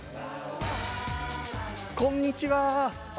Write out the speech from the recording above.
こんにちは。